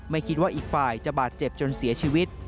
ไม่คิดว่าอีกฝ่ายจะบาดเจ็บจนเสียชีวิต